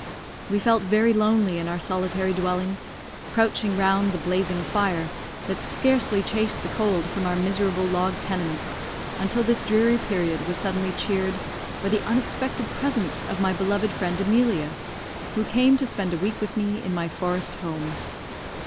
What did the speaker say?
We felt very lonely in our solitary dwelling, crouching round the blazing fire, that scarcely chased the cold from our miserable log tenement, until this dreary period was suddenly cheered by the unexpected presence of my beloved friend, Emilia, who came to spend a week with me in my forest home.